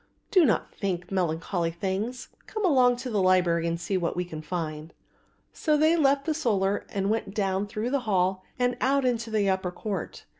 "Do not think melancholy things; come along to the library and see what we can find." So they left the solar and went down through the hall and out into the upper court.